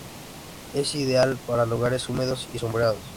Es ideal para lugares húmedos y sombreados.